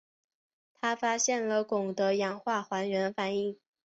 他发现了汞的氧化还原反应。